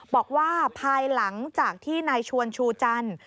บอกว่าภายหลังจากที่นายชวนชูจันทร์